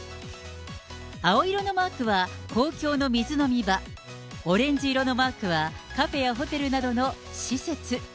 青色のマークは公共の水飲み場、オレンジ色のマークはカフェやホテルなどの施設。